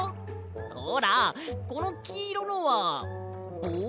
ほらこのきいろのはぼう？